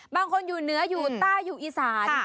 บางคนอยู่เหนืออยู่ใต้อยู่อีสาน